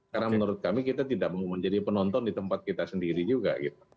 karena menurut kami kita tidak mau menjadi penonton di tempat kita sendiri juga